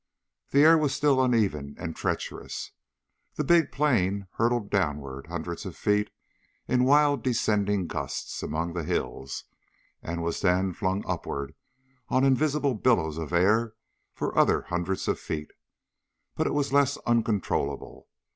The air was still uneven and treacherous. The big plane hurtled downward hundreds of feet in wild descending gusts among the hills, and was then flung upward on invisible billows of air for other hundreds of feet. But it was less uncontrollable.